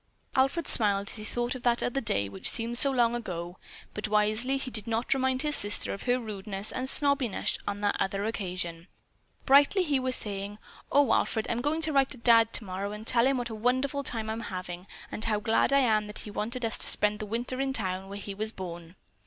Alfred smiled as he thought of that other day which seemed so long ago, but wisely he did not remind his sister of her rudeness and snobbishness on that other occasion. Brightly she was saying, "Oh, Alfred, I'm going to write Dad tomorrow and tell him what a wonderful time I'm having and how glad I am that he wanted us to spend the winter in the town where he was born."